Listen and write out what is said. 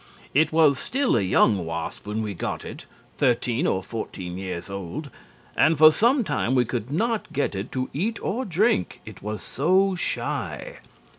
It was still a young wasp when we got it (thirteen or fourteen years old) and for some time we could not get it to eat or drink, it was so shy.